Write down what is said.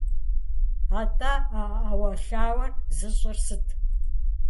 АтӀэ а Ӏэуэлъауэр зыщӀыр сыт?